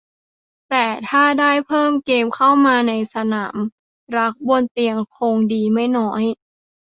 แต่ถ้าได้เพิ่มเกมเข้ามาในสนามรักบนเตียงคงดีไม่น้อย